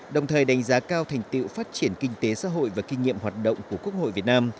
đồng thời đánh giá cao thành tiệu phát triển kinh tế xã hội và kinh nghiệm hoạt động của quốc hội việt nam